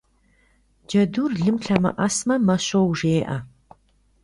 Джэдур лым лъэмыӀэсмэ «мэ щоу» жеӀэ.